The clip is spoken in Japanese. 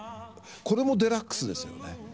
これもデラックスですよね。